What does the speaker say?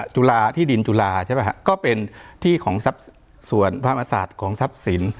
จุฬาที่ดินจุฬาใช่ไหมฮะก็เป็นที่ของส่วนพระมศาสตร์ของทรัพย์สิน